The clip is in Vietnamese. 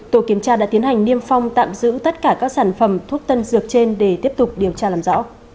tổ kiểm tra đã tiến hành niêm phong tạm giữ tất cả các sản phẩm thuốc tân dược trên để tiếp tục điều tra làm rõ